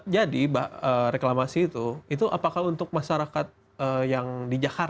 jadi reklamasi itu itu apakah untuk masyarakat yang di jalan